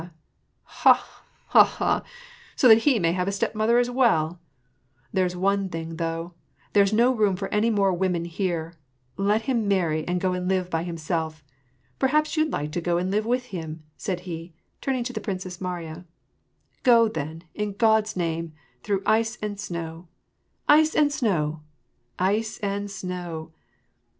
Ha ! ha ! ha ! so that he may have a stepmother as well ! There's one thing, though, there's no room for any moi e women here : let him marry, and go and live by himself. Perhaps you'd like to go and live with him ?" said he, turning to the Princess Mariya :" Go, then, in God's name ; througn ice and snow — ice and snow — ice and snow